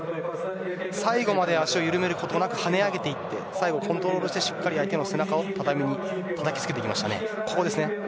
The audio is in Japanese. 最後まで足を緩めることなく跳ね上げて最後コントロールをして相手の背中を畳にたたきつけました。